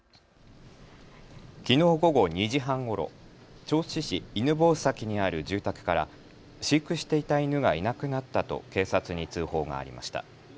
きのう午後２時半ごろ銚子市犬吠埼にある住宅から飼育していた犬がいなくなったと警察に通報がありました。